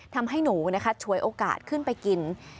ทำให้หนูนะคะฉวยโอกาสขึ้นไปกิน